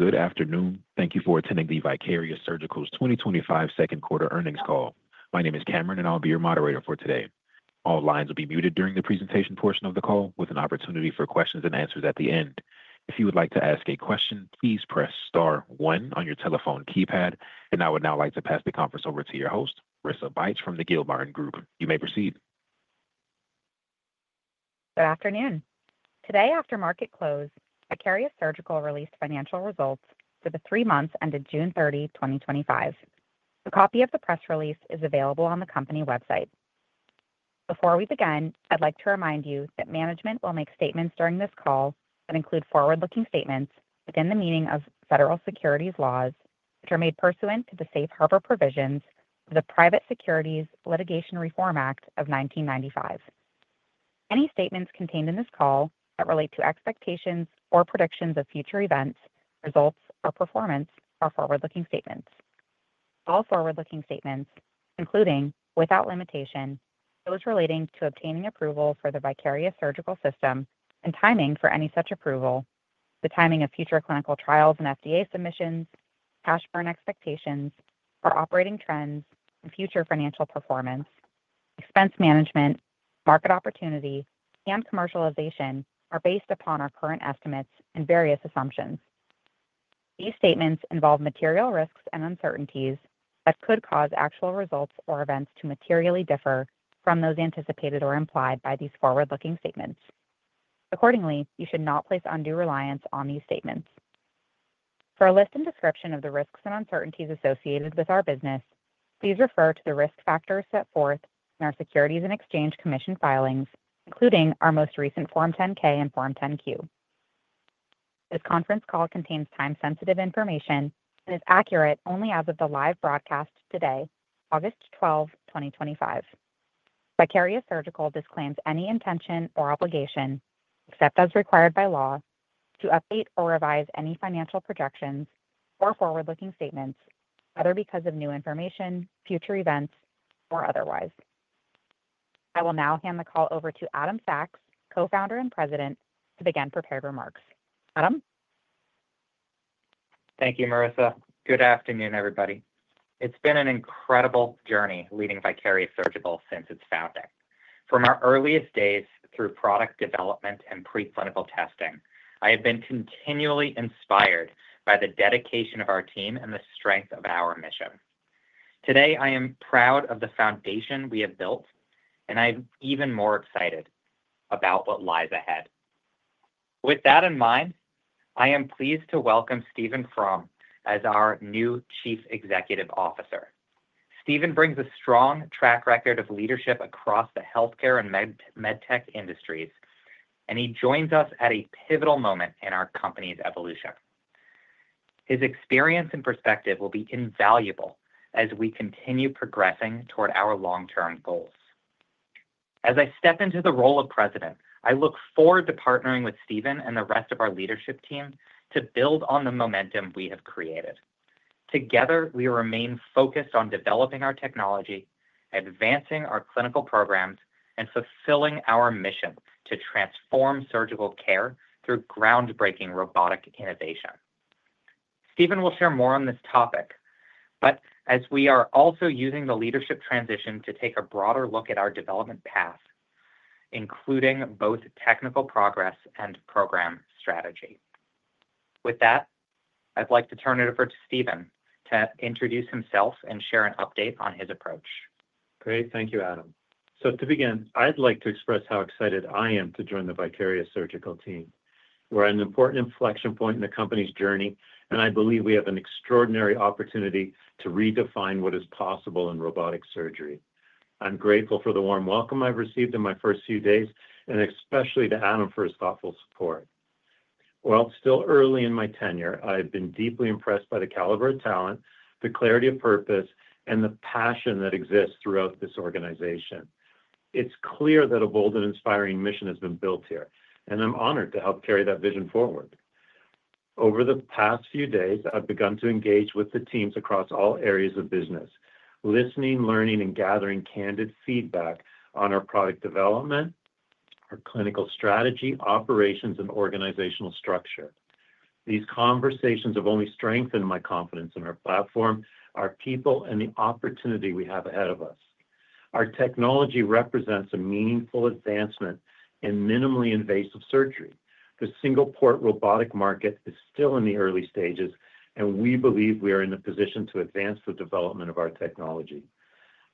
Good afternoon. Thank you for attending Vicarious Surgical's 2025 Second Quarter Earnings Call. My name is Cameron, and I'll be your moderator for today. All lines will be muted during the presentation portion of the call, with an opportunity for questions and answers at the end. If you would like to ask a question, please press star one on your telephone keypad. I would now like to pass the conference over to your host, Rissa Bych from the Gilmartin Group. You may proceed. Good afternoon. Today, after market close, Vicarious Surgical released financial results for the three months ended June 30, 2025. A copy of the press release is available on the company website. Before we begin, I'd like to remind you that management will make statements during this call that include forward-looking statements within the meaning of federal securities laws, which are made pursuant to the Safe Harbor provisions of the Private Securities Litigation Reform Act of 1995. Any statements contained in this call that relate to expectations or predictions of future events, results, or performance are forward-looking statements. All forward-looking statements, including without limitation, those relating to obtaining approval for the Vicarious Surgical system and timing for any such approval, the timing of future clinical trials and FDA submissions, cash burn expectations, our operating trends, and future financial performance, expense management, market opportunity, and commercialization are based upon our current estimates and various assumptions. These statements involve material risks and uncertainties that could cause actual results or events to materially differ from those anticipated or implied by these forward-looking statements. Accordingly, you should not place undue reliance on these statements. For a list and description of the risks and uncertainties associated with our business, please refer to the risk factors set forth in our Securities and Exchange Commission filings, including our most recent Form 10-K and Form 10-Q. This conference call contains time-sensitive information and is accurate only as of the live broadcast today, August 12, 2025. Vicarious Surgical disclaims any intention or obligation, except as required by law, to update or revise any financial projections or forward-looking statements, whether because of new information, future events, or otherwise. I will now hand the call over to Adam Sachs, Co-Founder and President, to begin prepared remarks. Adam? Thank you, Marissa. Good afternoon, everybody. It's been an incredible journey leading Vicarious Surgical since its founding. From our earliest days through product development and preclinical testing, I have been continually inspired by the dedication of our team and the strength of our mission. Today, I am proud of the foundation we have built, and I'm even more excited about what lies ahead. With that in mind, I am pleased to welcome Stephen From as our new Chief Executive Officer. Stephen brings a strong track record of leadership across the healthcare and medtech industries, and he joins us at a pivotal moment in our company's evolution. His experience and perspective will be invaluable as we continue progressing toward our long-term goals. As I step into the role of President, I look forward to partnering with Stephen and the rest of our leadership team to build on the momentum we have created. Together, we remain focused on developing our technology, advancing our clinical programs, and fulfilling our mission to transform surgical care through groundbreaking robotic innovation. Stephen will share more on this topic, as we are also using the leadership transition to take a broader look at our development path, including both technical progress and program strategy. With that, I'd like to turn it over to Stephen to introduce himself and share an update on his approach. Great, thank you, Adam. To begin, I'd like to express how excited I am to join the Vicarious Surgical team. We're at an important inflection point in the company's journey, and I believe we have an extraordinary opportunity to redefine what is possible in robotic surgery. I'm grateful for the warm welcome I've received in my first few days, and especially to Adam for his thoughtful support. While still early in my tenure, I've been deeply impressed by the caliber of talent, the clarity of purpose, and the passion that exists throughout this organization. It's clear that a bold and inspiring mission has been built here, and I'm honored to help carry that vision forward. Over the past few days, I've begun to engage with the teams across all areas of business, listening, learning, and gathering candid feedback on our product development, our clinical strategy, operations, and organizational structure. These conversations have only strengthened my confidence in our platform, our people, and the opportunity we have ahead of us. Our technology represents a meaningful advancement in minimally invasive robotic surgery. The single-port robotic market is still in the early stages, and we believe we are in a position to advance the development of our technology.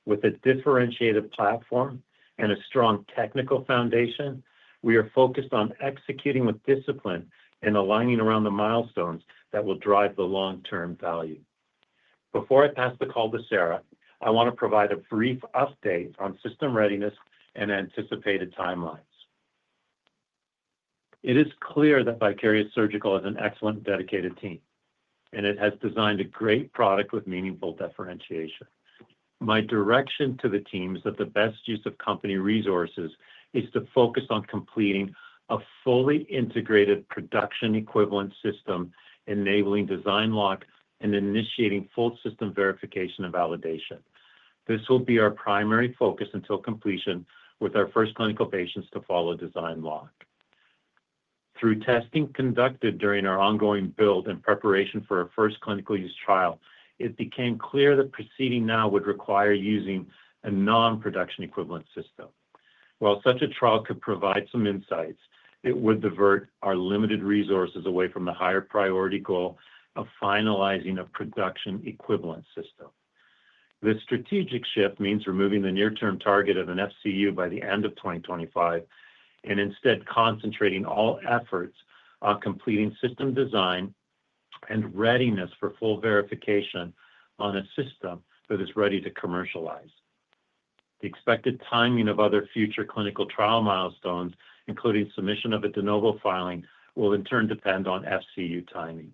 With a differentiated platform and a strong technical foundation, we are focused on executing with discipline and aligning around the milestones that will drive the long-term value. Before I pass the call to Sarah, I want to provide a brief update on system readiness and anticipated timelines. It is clear that Vicarious Surgical has an excellent, dedicated team, and it has designed a great product with meaningful differentiation. My direction to the team is that the best use of company resources is to focus on completing a fully integrated production-equivalent system, enabling design lock and initiating full system verification and validation. This will be our primary focus until completion with our first clinical patients to follow design lock. Through testing conducted during our ongoing build and preparation for our first clinical use trial, it became clear that proceeding now would require using a non-production-equivalent system. While such a trial could provide some insights, it would divert our limited resources away from the higher priority goal of finalizing a production-equivalent system. This strategic shift means removing the near-term target of an FCU by the end of 2025 and instead concentrating all efforts on completing system design and readiness for full verification on a system that is ready to commercialize. The expected timing of other future clinical milestones, including submission of a De Novo filing, will in turn depend on FCU timing.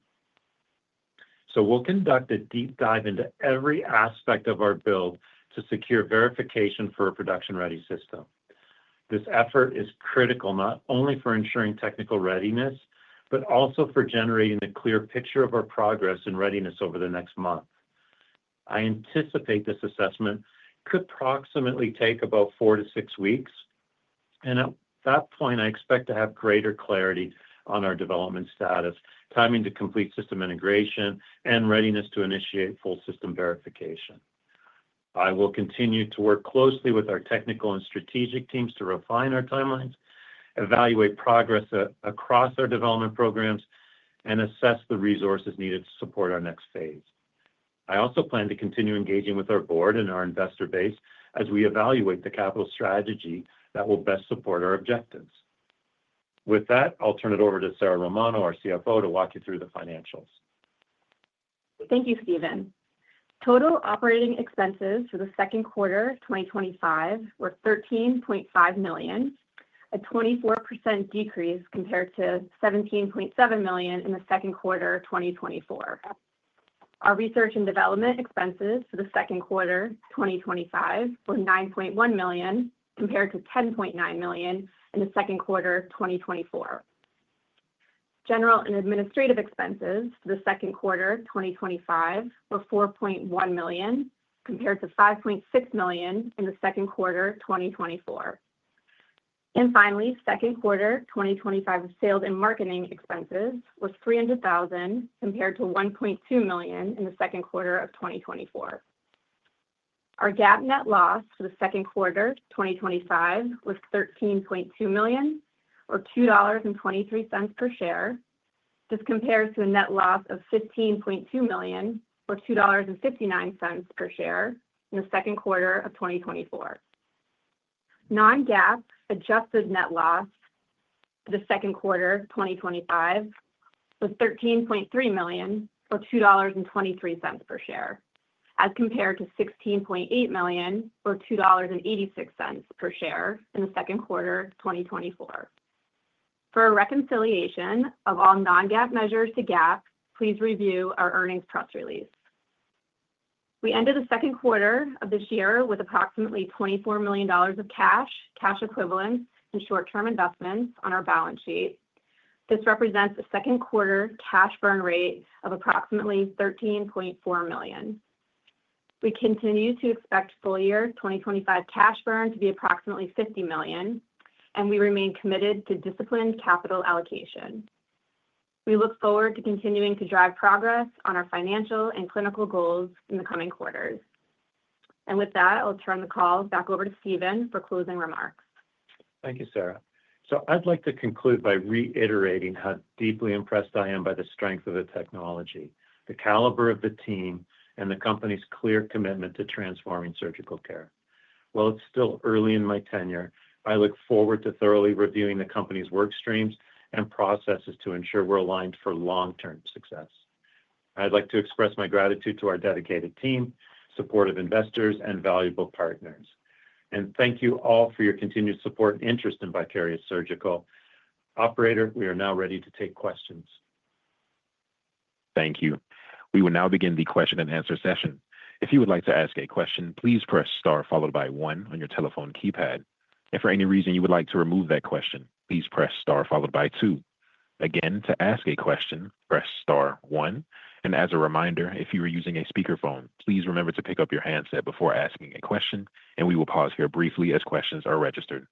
We will conduct a deep dive into every aspect of our build to secure verification for a production-equivalent system. This effort is critical not only for ensuring technical readiness but also for generating a clear picture of our progress and readiness over the next month. I anticipate this assessment could take about four to six weeks, and at that point, I expect to have greater clarity on our development status, timing to complete system integration, and readiness to initiate full system verification. I will continue to work closely with our technical and strategic teams to refine our timelines, evaluate progress across our development programs, and assess the resources needed to support our next phase. I also plan to continue engaging with our board and our investor base as we evaluate the capital strategy that will best support our objectives. With that, I'll turn it over to Sarah Romano, our CFO, to walk you through the financials. Thank you, Stephen. Total operating expenses for the second quarter 2025 were $13.5 million, a 24% decrease compared to $17.7 million in the second quarter of 2024. Our research and development expenses for the second quarter 2025 were $9.1 million compared to $10.9 million in the second quarter of 2024. General and administrative expenses for the second quarter 2025 were $4.1 million compared to $5.6 million in the second quarter of 2024. Finally, second quarter 2025 sales and marketing expenses were $300,000 compared to $1.2 million in the second quarter of 2024. Our GAAP net loss for the second quarter 2025 was $13.2 million, or $2.23 per share. This compares to a net loss of $15.2 million, or $2.59 per share in the second quarter of 2024. Non-GAAP adjusted net loss for the second quarter 2025 was $13.3 million, or $2.23 per share, as compared to $16.8 million, or $2.86 per share in the second quarter 2024. For a reconciliation of all non-GAAP measures to GAAP, please review our earnings press release. We ended the second quarter of this year with approximately $24 million of cash, cash equivalents, and short-term investments on our balance sheet. This represents a second quarter cash burn rate of approximately $13.4 million. We continue to expect full-year 2025 cash burn to be approximately $50 million, and we remain committed to disciplined capital allocation. We look forward to continuing to drive progress on our financial and clinical goals in the coming quarters. With that, I'll turn the call back over to Stephen for closing remarks. Thank you, Sarah. I would like to conclude by reiterating how deeply impressed I am by the strength of the technology, the caliber of the team, and the company's clear commitment to transforming surgical care. While it's still early in my tenure, I look forward to thoroughly reviewing the company's work streams and processes to ensure we're aligned for long-term success. I would like to express my gratitude to our dedicated team, supportive investors, and valuable partners. Thank you all for your continued support and interest in Vicarious Surgical. Operator, we are now ready to take questions. Thank you. We will now begin the question and answer session. If you would like to ask a question, please press star followed by one on your telephone keypad. If for any reason you would like to remove that question, please press followed by two. To ask a question, press star one. As a reminder, if you are using a speakerphone, please remember to pick up your handset before asking a question. We will pause here briefly as questions are registered.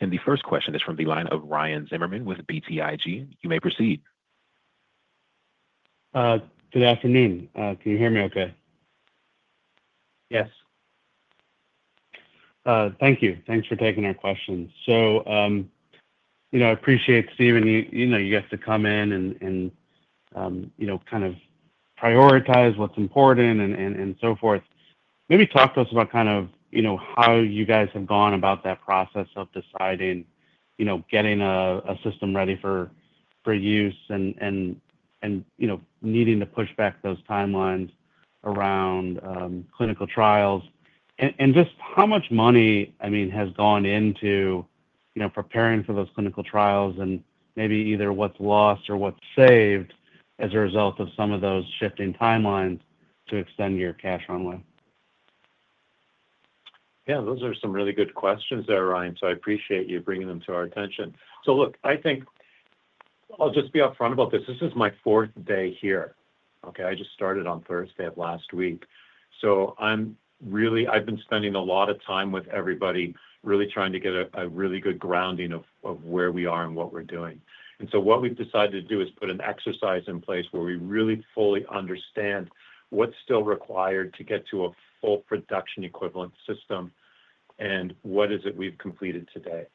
The first question is from the line of Ryan Zimmerman with BTIG. You may proceed. Good afternoon. Can you hear me okay? Yes. Thank you. Thanks for taking our questions. I appreciate, Stephen, you guys coming in and prioritizing what's important and so forth. Maybe talk to us about how you guys have gone about that process of deciding, you know, getting a system ready for use and needing to push back those timelines around clinical trials. Just how much money has gone into preparing for those clinical trials and maybe either what's lost or what's saved as a result of some of those shifting timelines to extend your cash runway? Yeah, those are some really good questions there, Ryan, so I appreciate you bringing them to our attention. I think I'll just be upfront about this. This is my fourth day here. Okay, I just started on Thursday of last week. I've been spending a lot of time with everybody really trying to get a really good grounding of where we are and what we're doing. What we've decided to do is put an exercise in place where we really fully understand what's still required to get to a full production-equivalent system and what is it we've completed today.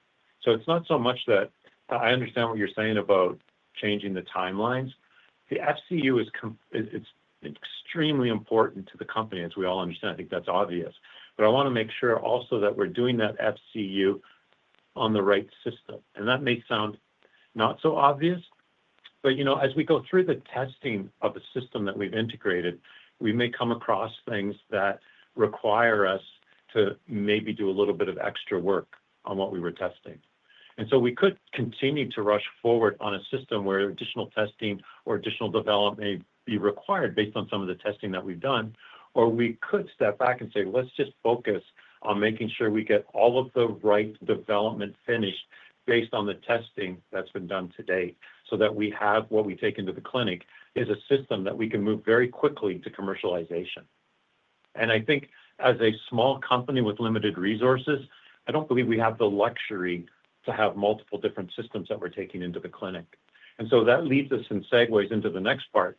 It's not so much that I understand what you're saying about changing the timelines. The FCU is extremely important to the company, as we all understand. I think that's obvious. I want to make sure also that we're doing that FCU on the right system. That may sound not so obvious, but as we go through the testing of the system that we've integrated, we may come across things that require us to maybe do a little bit of extra work on what we were testing. We could continue to rush forward on a system where additional testing or additional development may be required based on some of the testing that we've done, or we could step back and say, let's just focus on making sure we get all of the right development finished based on the testing that's been done today so that what we take into the clinic is a system that we can move very quickly to commercialization. I think as a small company with limited resources, I don't believe we have the luxury to have multiple different systems that we're taking into the clinic. That leads us and segues into the next part.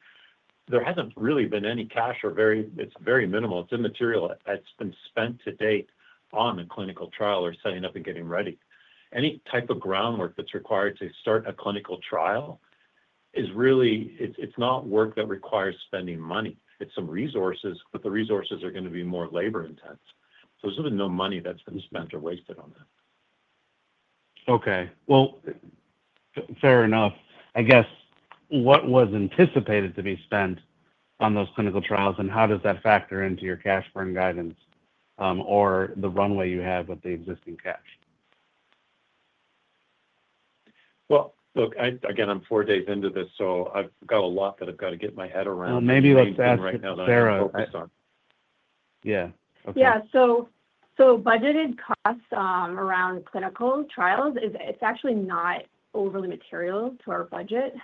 There hasn't really been any cash or very, it's very minimal. It's immaterial that's been spent to date on a clinical trial or setting up and getting ready. Any type of groundwork that's required to start a clinical trial is really, it's not work that requires spending money. It's some resources, but the resources are going to be more labor-intense. There's really no money that's been spent or wasted on that. Okay. Fair enough. I guess what was anticipated to be spent on those clinical trials, and how does that factor into your cash burn guidance or the runway you have with the existing cash? Again, I'm four days into this, so I've got a lot that I've got to get my head around. Maybe let's ask Sarah. Sorry. Yeah. Okay. Budgeted costs around clinical trials, it's actually not overly material to our budget,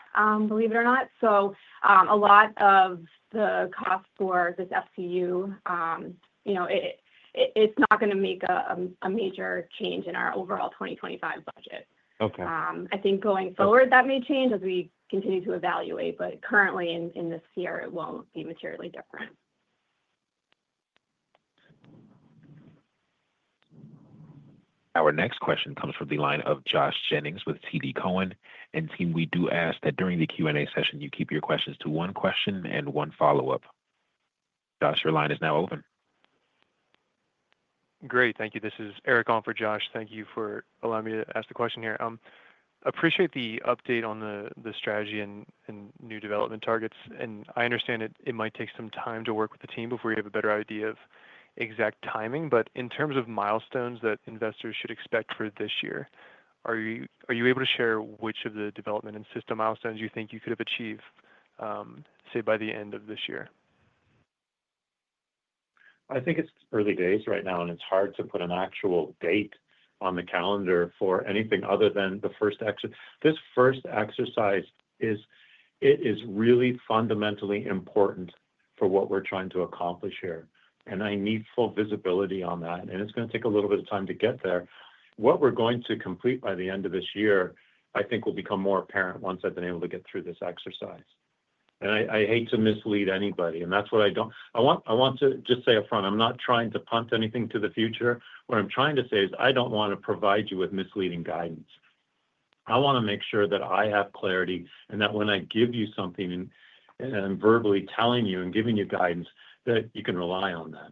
believe it or not. A lot of the cost for this FCU, you know, it's not going to make a major change in our overall 2025 budget. I think going forward, that may change as we continue to evaluate, but currently in this year, it won't be materially different. Our next question comes from the line of Josh Jennings with TD Cowen. We do ask that during the Q&A session, you keep your questions to one question and one follow-up. Josh, your line is now open. Great. Thank you. This is Eric on for Josh. Thank you for allowing me to ask the question here. I appreciate the update on the strategy and new development targets. I understand it might take some time to work with the team before you have a better idea of exact timing, but in terms of milestones that investors should expect for this year, are you able to share which of the development and system milestones you think you could have achieved, say, by the end of this year? I think it's early days right now, and it's hard to put an actual date on the calendar for anything other than the first exercise. This first exercise is really fundamentally important for what we're trying to accomplish here. I need full visibility on that, and it's going to take a little bit of time to get there. What we're going to complete by the end of this year will become more apparent once I've been able to get through this exercise. I hate to mislead anybody. I want to just say upfront, I'm not trying to punt anything to the future. What I'm trying to say is I don't want to provide you with misleading guidance. I want to make sure that I have clarity and that when I give you something and I'm verbally telling you and giving you guidance, you can rely on that.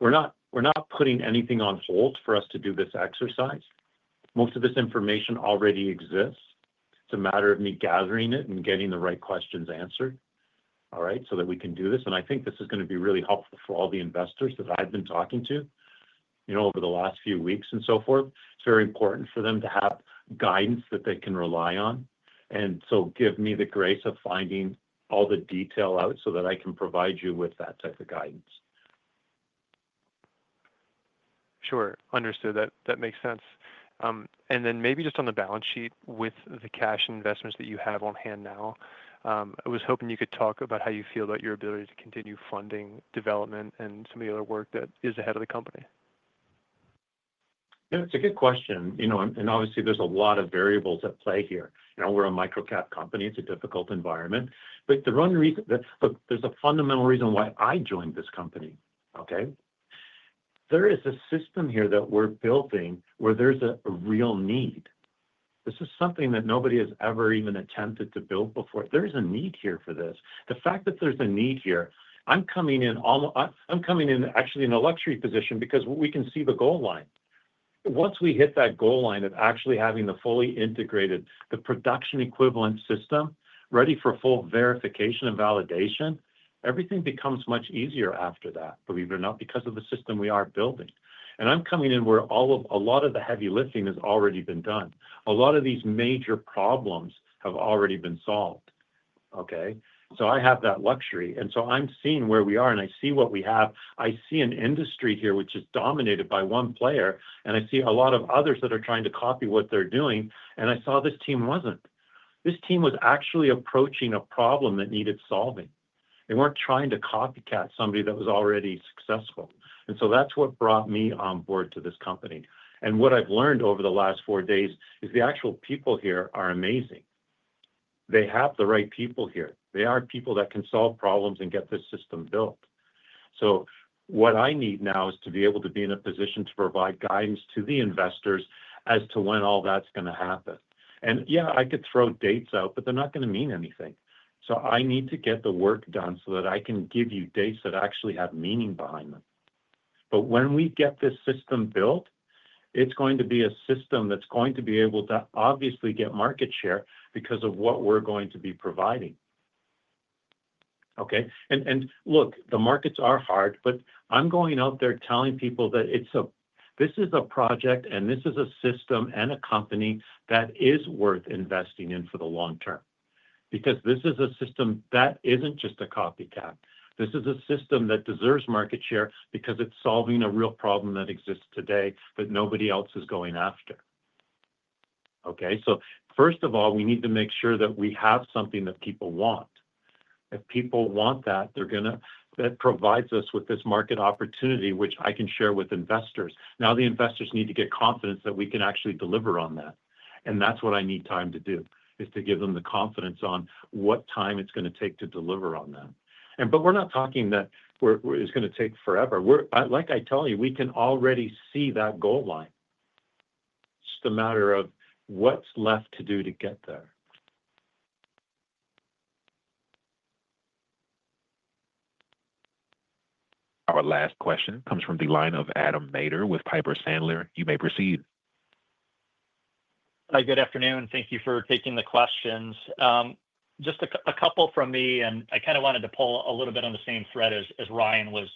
We're not putting anything on hold for us to do this exercise. Most of this information already exists. It's a matter of me gathering it and getting the right questions answered, all right, so that we can do this. I think this is going to be really helpful for all the investors that I've been talking to over the last few weeks and so forth. It's very important for them to have guidance that they can rely on. Give me the grace of finding all the detail out so that I can provide you with that type of guidance. Sure. Understood. That makes sense. Maybe just on the balance sheet with the cash investments that you have on hand now, I was hoping you could talk about how you feel about your ability to continue funding development and some of the other work that is ahead of the company. Yeah, it's a good question. Obviously, there's a lot of variables at play here. We're a microcap company. It's a difficult environment. The one reason that there's a fundamental reason why I joined this company, there is a system here that we're building where there's a real need. This is something that nobody has ever even attempted to build before. There is a need here for this. The fact that there's a need here, I'm coming in actually in a luxury position because we can see the goal line. Once we hit that goal line of actually having the fully integrated, the production-equivalent system ready for full verification and validation, everything becomes much easier after that, believe it or not, because of the system we are building. I'm coming in where a lot of the heavy lifting has already been done. A lot of these major problems have already been solved. I have that luxury. I'm seeing where we are, and I see what we have. I see an industry here which is dominated by one player, and I see a lot of others that are trying to copy what they're doing. I saw this team wasn't. This team was actually approaching a problem that needed solving. They weren't trying to copycat somebody that was already successful. That's what brought me on board to this company. What I've learned over the last four days is the actual people here are amazing. They have the right people here. They are people that can solve problems and get this system built. What I need now is to be able to be in a position to provide guidance to the investors as to when all that's going to happen. I could throw dates out, but they're not going to mean anything. I need to get the work done so that I can give you dates that actually have meaning behind them. When we get this system built, it's going to be a system that's going to be able to obviously get market share because of what we're going to be providing. Look, the markets are hard, but I'm going out there telling people that this is a project and this is a system and a company that is worth investing in for the long term. This is a system that isn't just a copycat. This is a system that deserves market share because it's solving a real problem that exists today, but nobody else is going after. First of all, we need to make sure that we have something that people want. If people want that, they're going to, that provides us with this market opportunity, which I can share with investors. Now the investors need to get confidence that we can actually deliver on that. That's what I need time to do, to give them the confidence on what time it's going to take to deliver on that. We're not talking that it's going to take forever. Like I tell you, we can already see that goal line. It's just a matter of what's left to do to get there. Our last question comes from the line of Adam Maeder with Piper Sandler. You may proceed. Good afternoon. Thank you for taking the questions. Just a couple from me, I kind of wanted to pull a little bit on the same thread as Ryan was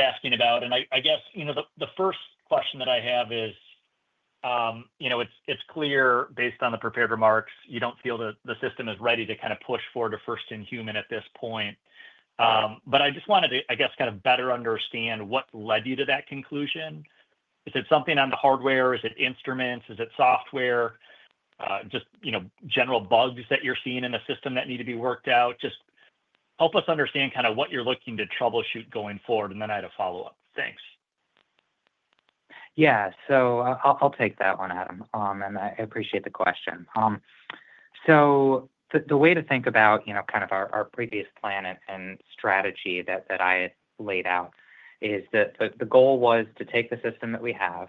asking about. I guess the first question that I have is, it's clear based on the prepared remarks, you don't feel that the system is ready to kind of push forward to first-in-human at this point. I just wanted to better understand what led you to that conclusion. Is it something on the hardware? Is it instruments? Is it software? Just general bugs that you're seeing in the system that need to be worked out? Help us understand what you're looking to troubleshoot going forward, and then I had a follow-up. Thanks. Yeah. I'll take that one, Adam. I appreciate the question. The way to think about our previous plan and strategy that I laid out is that the goal was to take the system that we have,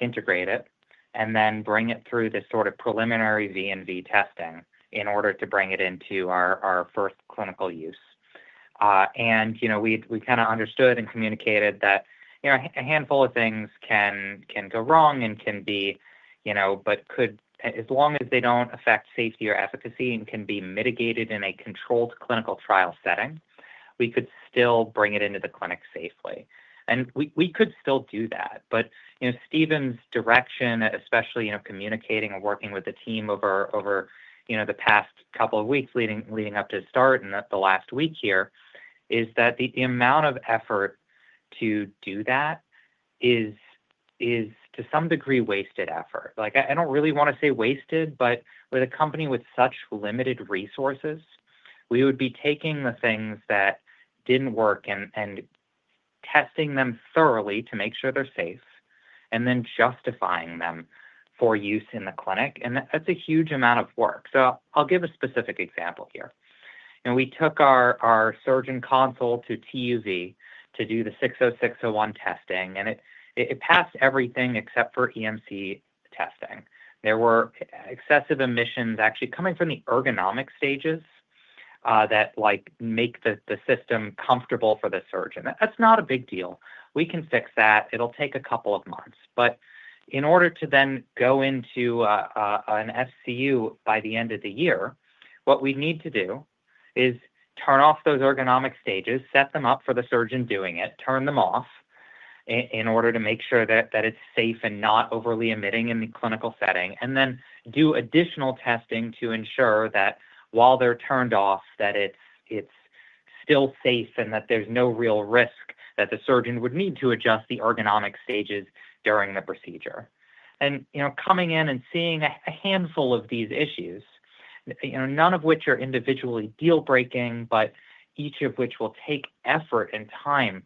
integrate it, and then bring it through this sort of preliminary V&V testing in order to bring it into our first clinical use. We kind of understood and communicated that a handful of things can go wrong and can be, as long as they don't affect safety or efficacy and can be mitigated in a controlled clinical trial setting, we could still bring it into the clinic safely. We could still do that. Stephen's direction, especially communicating and working with the team over the past couple of weeks leading up to his start and the last week here, is that the amount of effort to do that is, to some degree, wasted effort. I don't really want to say wasted, but with a company with such limited resources, we would be taking the things that didn't work and testing them thoroughly to make sure they're safe and then justifying them for use in the clinic. That's a huge amount of work. I'll give a specific example here. We took our surgeon console to TÜV to do the 60601 testing, and it passed everything except for EMC testing. There were excessive emissions actually coming from the ergonomic stages that make the system comfortable for the surgeon. That's not a big deal. We can fix that. It'll take a couple of months. In order to then go into an FCU by the end of the year, what we'd need to do is turn off those ergonomic stages, set them up for the surgeon doing it, turn them off in order to make sure that it's safe and not overly emitting in the clinical setting, and then do additional testing to ensure that while they're turned off, it's still safe and that there's no real risk that the surgeon would need to adjust the ergonomic stages during the procedure. Coming in and seeing a handful of these issues, none of which are individually deal-breaking, but each of which will take effort and time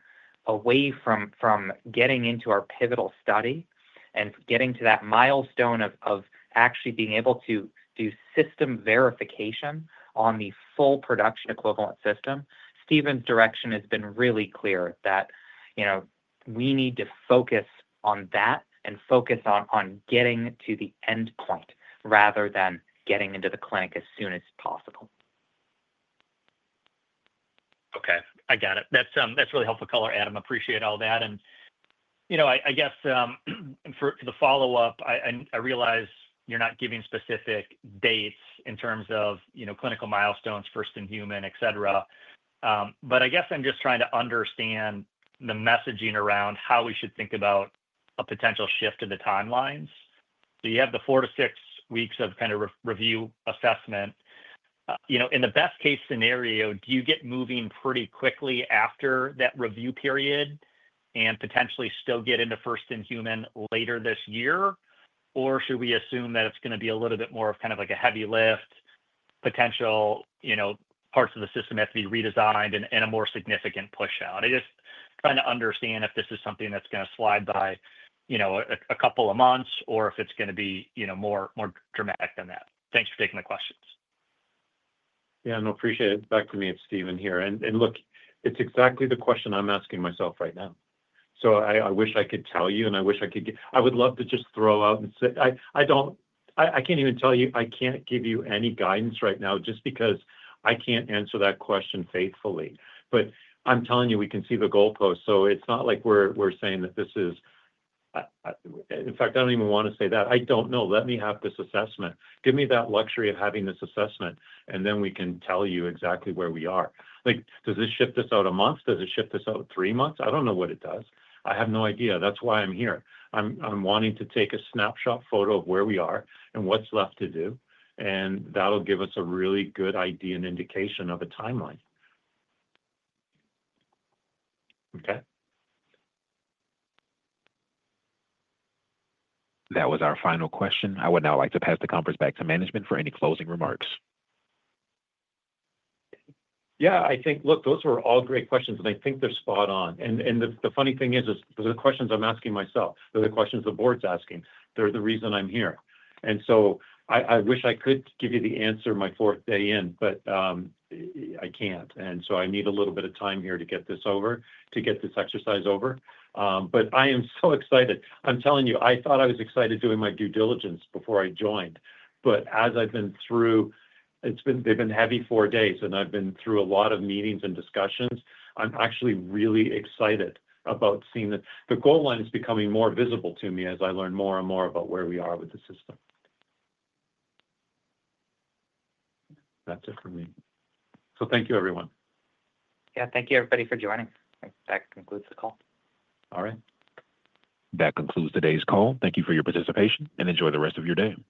away from getting into our pivotal study and getting to that milestone of actually being able to do system verification on the full production-equivalent system, Stephen's direction has been really clear that we need to focus on that and focus on getting to the endpoint rather than getting into the clinic as soon as possible. Okay, I got it. That's really helpful color, Adam. I appreciate all that. For the follow-up, I realize you're not giving specific dates in terms of clinical milestones, first-in-human, etc. I'm just trying to understand the messaging around how we should think about a potential shift to the timelines. You have the four to six weeks of review assessment. In the best-case scenario, do you get moving pretty quickly after that review period and potentially still get into first-in-human later this year? Should we assume that it's going to be a little bit more of a heavy lift, potential parts of the system that have to be redesigned, and a more significant push-out? I'm just trying to understand if this is something that's going to slide by a couple of months or if it's going to be more dramatic than that. Thanks for taking the questions. Yeah, no, appreciate it. Back to me if Stephen here. It's exactly the question I'm asking myself right now. I wish I could tell you, and I wish I could get, I would love to just throw out and say, I don't, I can't even tell you, I can't give you any guidance right now just because I can't answer that question faithfully. I'm telling you, we can see the goalposts. It's not like we're saying that this is, in fact, I don't even want to say that. I don't know. Let me have this assessment. Give me that luxury of having this assessment, and then we can tell you exactly where we are. Like, does this shift us out a month? Does it shift us out three months? I don't know what it does. I have no idea. That's why I'm here. I'm wanting to take a snapshot photo of where we are and what's left to do. That'll give us a really good idea and indication of a timeline. Okay. That was our final question. I would now like to pass the conference back to management for any closing remarks. I think those were all great questions, and I think they're spot on. The funny thing is, those are the questions I'm asking myself. They're the questions the board's asking. They're the reason I'm here. I wish I could give you the answer my fourth day in, but I can't. I need a little bit of time here to get this over, to get this exercise over. I am so excited. I'm telling you, I thought I was excited doing my due diligence before I joined. As I've been through, it's been, they've been heavy four days, and I've been through a lot of meetings and discussions. I'm actually really excited about seeing that the goal line is becoming more visible to me as I learn more and more about where we are with the system. That's it for me. Thank you, everyone. Thank you, everybody, for joining. I think that concludes the call. All right. That concludes today's call. Thank you for your participation and enjoy the rest of your day.